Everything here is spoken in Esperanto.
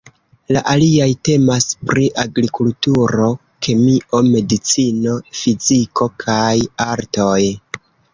La aliaj temas pri Agrikulturo, Kemio, Medicino, Fiziko kaj Artoj.